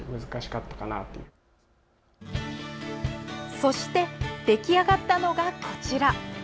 そして出来上がったのが、こちら。